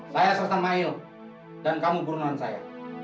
saya serasan mail dan kamu pernaan saya